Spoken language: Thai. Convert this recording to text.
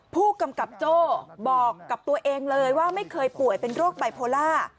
ผู้กำกับโจ้บอกกับตัวเองเลยว่าไม่เคยป่วยเป็นโรคไบโพล่า